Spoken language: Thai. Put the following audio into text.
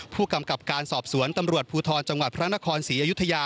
ผู้กำกับการสอบสวนตำรวจภูทรจังหวัดพระนครศรีอยุธยา